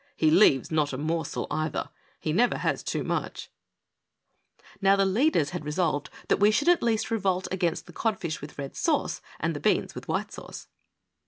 He leaves not a morsel either ; he never has too much !" Now, the leaders had resolved that we should at least revolt against the codfish with red sauce and the beans with white sauce.